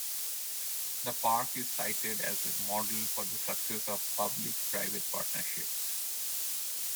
The park is cited as a model for the success of public-private partnerships.